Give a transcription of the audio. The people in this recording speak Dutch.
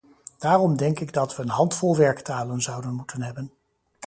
Daarom denk ik dat we een handvol werktalen zouden moeten hebben.